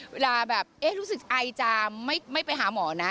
เวลาแบบเอ๊ะรู้สึกไอจะไม่ไปหาหมอนะ